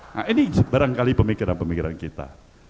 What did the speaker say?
nah ini barangkali pemikiran pemikiran kita